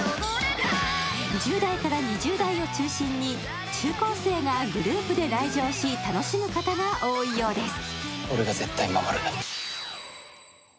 １０代から２０代を中心に中高生がグループで来場し楽しむ方が多いようです。